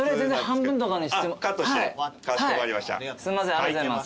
ありがとうございます。